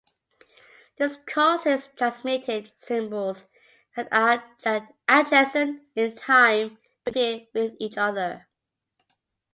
This causes transmitted symbols that are adjacent in time to interfere with each other.